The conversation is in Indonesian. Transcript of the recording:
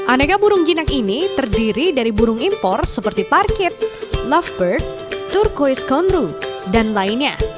aneka burung jinak ini terdiri dari burung impor seperti parkir lovebird turquis conru dan lainnya